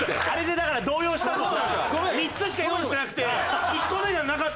あれでだから動揺したもんな。